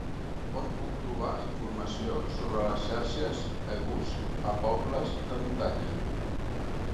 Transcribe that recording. On puc trobar informació sobre les xarxes e bus a pobles de muntanya?